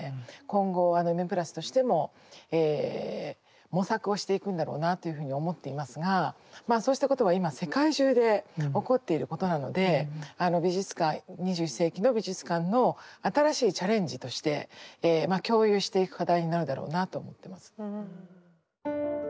今後「Ｍ＋」としても模索をしていくんだろうなというふうに思っていますがまあそうしたことは今世界中で起こっていることなのであの美術館２１世紀の美術館の新しいチャレンジとして共有していく課題になるだろうなと思ってます。